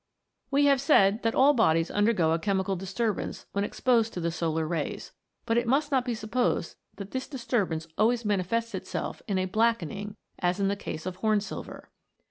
We have said that all bodies undergo a chemical disturbance when exposed to the solar rays, but it must not be supposed that this disturbance always manifests itself in a blackening, as in the case of horn silver.